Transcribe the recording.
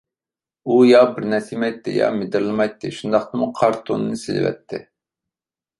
ئۇ يا بىر نەرسە يېمەيتتى، يا مىدىرلىمايتتى، شۇنداقتىمۇ قارا تونىنى سېلىۋەتتى.